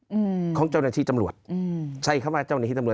อืมของเจ้าหน้าที่ตำรวจอืมใช้คำว่าเจ้าหน้าที่ตำรวจ